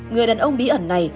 người đàn ông bí ẩn này